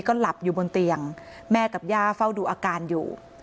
ก็หลับอยู่บนเตียงแม่กับย่าเฝ้าดูอาการอยู่